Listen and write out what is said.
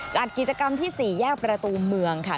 จัดกิจกรรมที่๔แยกประตูเมืองค่ะ